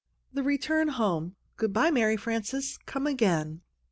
THE RETURN HOME XXXVII GOOD BY, MARY FRANCES. COME AGAIN!